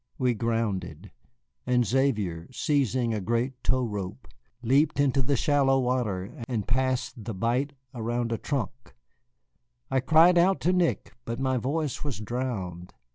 We grounded, and Xavier, seizing a great tow rope, leaped into the shallow water and passed the bight around a trunk. I cried out to Nick, but my voice was drowned.